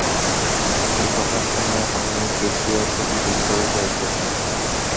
এ কথা শুনে আমি জেসিয়ার প্রতি দূর্বল হয়ে পড়ি।